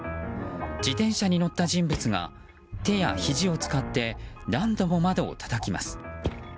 自転車に乗った人物が手や、ひじを使って何度も窓をたたきます。